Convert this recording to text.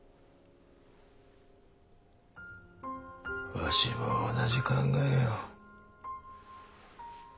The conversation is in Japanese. わしも同じ考えよ。